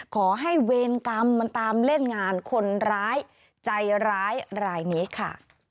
ขอให้เวรกรรมมันตามเล่นงานคนร้ายใจร้ายรายนี้ค่ะ